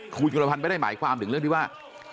คุณจุลพันธ์ไม่ได้หมายความถึงเรื่องที่ว่า